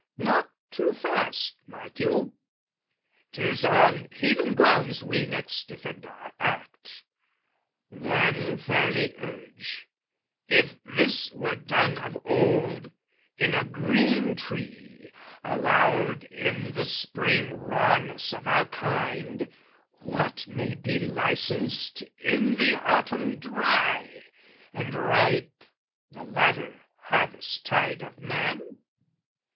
Not too fast, mark you! 'Tis on Heathen grounds We next defend our act: then, fairly urge If this were done of old, in a green tree, Allowed in the Spring rawness of our kind, What may be licensed in the Autumn dry, And ripe, the latter harvest tide of man?